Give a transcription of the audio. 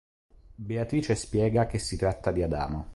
Beatrice spiega che si tratta di Adamo.